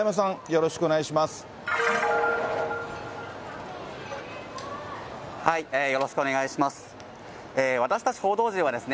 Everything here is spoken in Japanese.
よろしくお願いします。